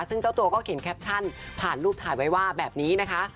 ซึ่งเจ้าตัวก็เขียนแคปชั่นผ่านรูปถ่ายไว้ว่าแบบนี้นะคะ